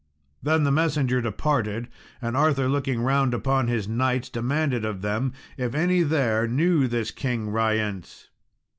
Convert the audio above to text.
Then the messenger departed, and Arthur, looking round upon his knights, demanded of them if any there knew this King Ryence.